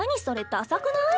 ダサくない？